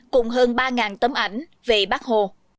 cùng hơn ba tấm ảnh về bác hồ